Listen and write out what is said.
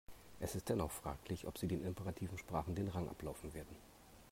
Es ist dennoch fraglich, ob sie den imperativen Sprachen den Rang ablaufen werden.